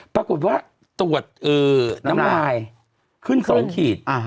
ปรากฏว่าตรวจน้ำลายขึ้น๒ขีด